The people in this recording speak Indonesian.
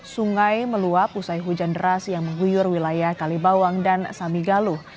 sungai meluap usai hujan deras yang mengguyur wilayah kalibawang dan samigaluh